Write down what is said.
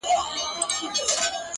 پوهه د فکر ژوروالی زیاتوي